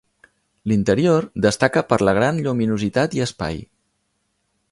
L'interior destaca per la gran lluminositat i espai.